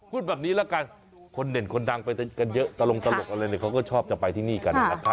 พูดแบบนี้ละกันคนเด่นคนดังไปกันเยอะตลกเขาก็ชอบจะไปที่นี่กัน